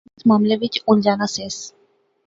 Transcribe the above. میں اس معاملے وچ الجھا ناں سیس